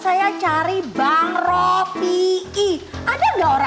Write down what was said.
semua orang nonton tv sudah aunt fuera